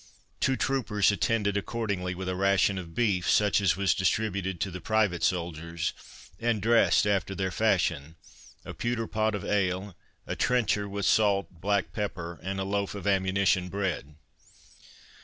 Two troopers attended accordingly with a ration of beef, such as was distributed to the private soldiers, and dressed after their fashion—a pewter pot of ale, a trencher with salt, black pepper, and a loaf of ammunition bread.